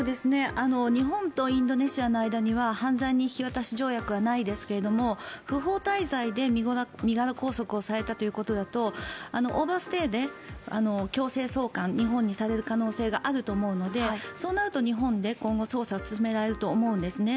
日本とインドネシアの間には犯罪人引渡し条約はないですが不法滞在で身柄拘束されたということだとオーバーステイで強制送還日本にされる可能性があると思うのでそうなると日本で今後、捜査が進められると思うんですね。